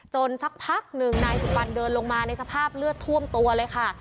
สักพักหนึ่งนายสุบันเดินลงมาในสภาพเลือดท่วมตัวเลยค่ะ